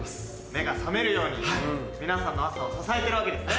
目が覚めるように皆さんの朝を支えてるわけですね？